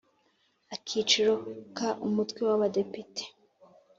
Akiciro ka Umutwe w Abadepite